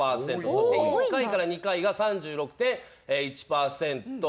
そして１回から２回が３６．１％。